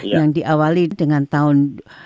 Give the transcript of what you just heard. yang diawali dengan tahun